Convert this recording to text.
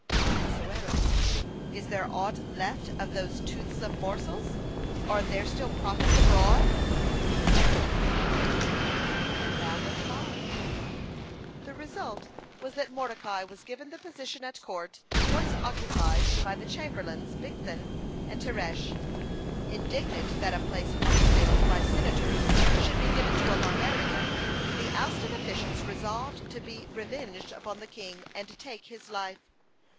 Ahasuerus: "Is there aught left of those toothsome morsels? Are there still prophets abroad? Esther: "Seek and thou wilt find." (87) The result was that Mordecai was given the position at court once occupied by the chamberlains Bigthan and Teresh. Indignant that a place once filled by senators should be given to a barbarian, the ousted officials resolved to be revenged upon the king and take his life.